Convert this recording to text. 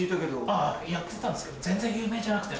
あぁやってたんですけど全然有名じゃなくて。